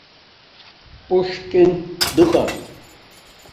Пушкин дыҟам.